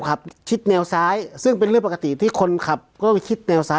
ขับชิดแนวซ้ายซึ่งเป็นเรื่องปกติที่คนขับก็ไปคิดแนวซ้าย